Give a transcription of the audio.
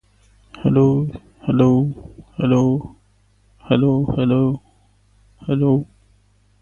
Larger flows can also erode stream banks and damage public infrastructure.